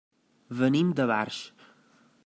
Venim de Barx.